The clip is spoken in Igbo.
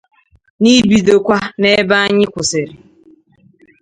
N'ibidokwa n'ebe anyị kwụsịrị